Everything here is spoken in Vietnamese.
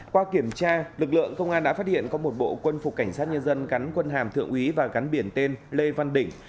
qua kiểm tra lực lượng công an đã phát hiện có một bộ quân phục cảnh sát nhân dân gắn quân hàm thượng úy và gắn biển tên lê văn đỉnh